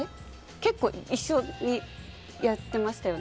結構一緒にやってましたよね。